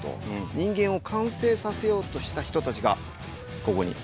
人間を完成させようとした人たちがここに。